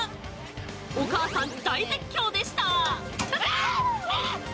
お母さん、大絶叫でした。